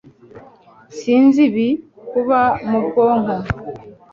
sinzi ibi kuba mu bwonko